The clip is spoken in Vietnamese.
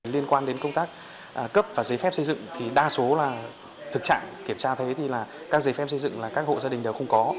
liên quan đến công tác cấp và giấy phép xây dựng thì đa số là thực trạng kiểm tra thấy thì là các giấy phép xây dựng là các hộ gia đình đều không có